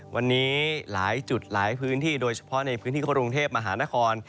วันนี้หลายจุดหลายพื้นที่โดยเฉพาะในพื้นที่กรุงเทพมหานคร